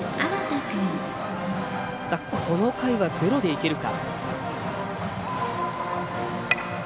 この回はゼロでいけるか。